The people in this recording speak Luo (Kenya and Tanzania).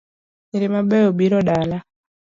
Nyiro mabeyo biro dala